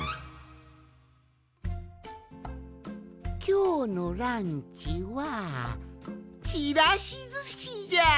きょうのランチはちらしずしじゃ！